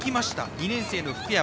２年生の福山。